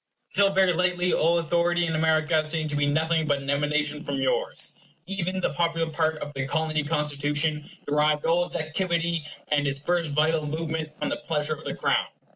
Until very lately all authority in America seemed to be nothing but an emanation from yours. Even, the popular part of the Colony Constitution derived all its activity and its first vital movement from the pleasure of the Crown.